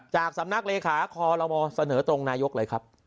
จากสำนักเลขาคอลโลมเสนอตรงนายกเลยครับ